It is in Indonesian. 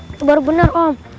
itu baru bener om